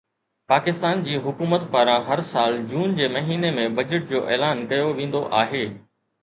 پاڪستان جي حڪومت پاران هر سال جون جي مهيني ۾ بجيٽ جو اعلان ڪيو ويندو آهي